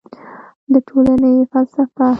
د ټولنې فلسفه